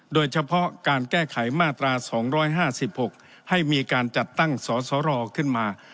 โดยเฉพาะการแก้ไขมาตรา๒๕๖ให้มีการจัดตั้งสสรขึ้นมา